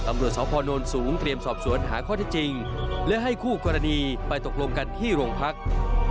ตำรวจสพนสูงเตรียมสอบสวนหาข้อที่จริงและให้คู่กรณีไปตกลงกันที่โรงพัก